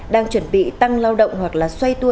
đang chuẩn bị tăng lao động hoặc là xoay tua